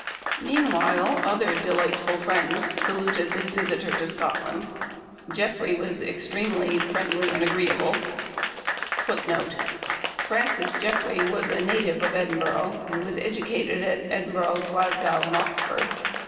Meanwhile other delightful friends saluted the visitor to Scotland. Jeffrey* was extremely * Francis yeffrey was a native of Edinburgh, and was edu cated at Edinburgh, Glasgow, and Oxford.